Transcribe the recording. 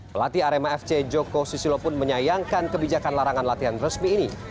pelatih arema fc joko susilo pun menyayangkan kebijakan larangan latihan resmi ini